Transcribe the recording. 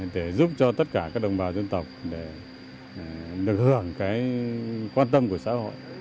để giúp cho tất cả các đồng bào dân tộc để được hưởng cái quan tâm của xã hội